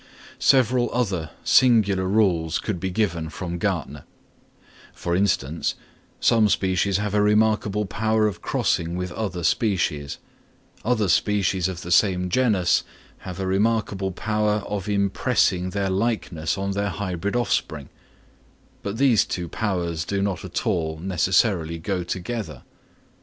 Several other singular rules could be given from Gärtner: for instance, some species have a remarkable power of crossing with other species; other species of the same genus have a remarkable power of impressing their likeness on their hybrid offspring; but these two powers do not at all necessarily go together.